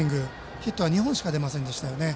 ヒットは２本しか出ませんでしたよね。